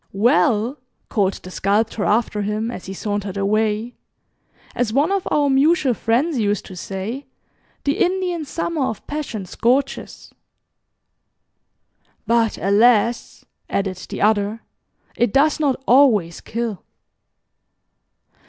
"Well," called the Sculptor after him, as he sauntered away, "as one of our mutual friends used to say 'The Indian Summer of Passion scorches.'" "But, alas!" added the other, "it does not always kill."